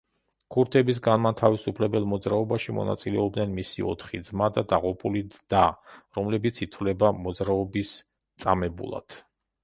ქურთების განმათავისუფლებელ მოძრაობაში მონაწილეობდნენ მისი ოთხი ძმა და დაღუპული და, რომლებიც ითვლება მოძრაობის წამებულად.